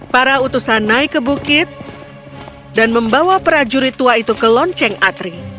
para utusan naik ke bukit dan membawa prajurit tua itu ke lonceng atri